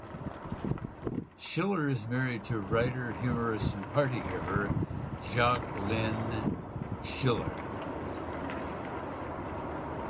Schiller is married to writer, humorist and partygiver Jacque Lynn Schiller.